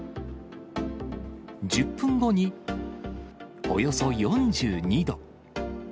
１０分後におよそ４２度。